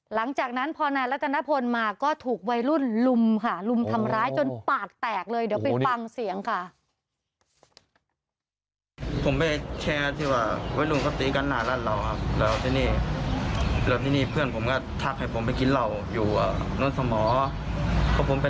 หลังจากนั้นพอนายรัตนพลมาก็ถูกวัยรุ่นลุมค่ะลุมทำร้ายจนปากแตกเลยเดี๋ยวไปฟังเสียงค่ะ